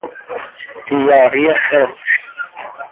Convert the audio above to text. دیاری خزر